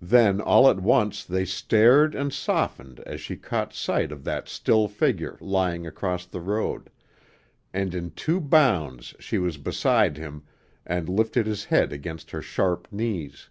Then all at once they stared and softened as she caught sight of that still figure lying across the road, and in two bounds she was beside him and lifted his head against her sharp knees.